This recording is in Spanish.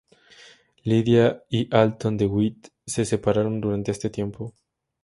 Lydia y Alton DeWitt se separaron durante este tiempo.